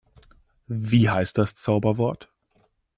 Wie heißt das Zauberwort?